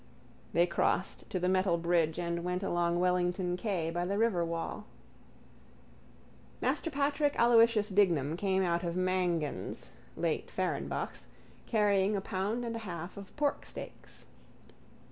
They crossed to the metal bridge and went along Wellington quay by the riverwall. Master Patrick Aloysius Dignam came out of Mangan's, late Fehrenbach's, carrying a pound and a half of porksteaks.